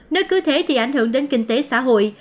nơi cứ thế thì ảnh hưởng đến kinh tế xã hội